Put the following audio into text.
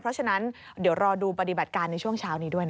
เพราะฉะนั้นเดี๋ยวรอดูปฏิบัติการในช่วงเช้านี้ด้วยนะคะ